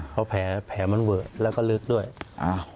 เพราะแผลแผลมันเวิร์ดแล้วก็ลึกด้วยอ้าว